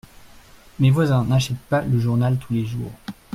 Mes voisins n’achètent pas le journal tous les jours.